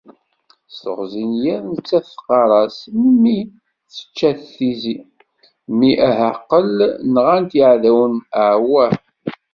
S teɣzi n yiḍ nettat teqqar-as "Mmi tečča-t tizi, mmi ahaqel nɣan-t yiεdawen awah!"